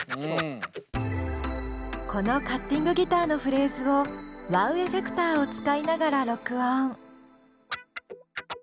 このカッティングギターのフレーズをワウ・エフェクターを使いながら録音。